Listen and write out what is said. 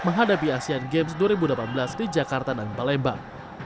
menghadapi asean games dua ribu delapan belas di jakarta dan palembang